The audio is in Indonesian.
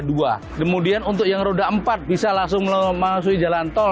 kemudian untuk yang roda empat bisa langsung memasuki jalan tol